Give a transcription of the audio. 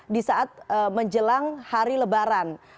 di saat menjelang hari lebaran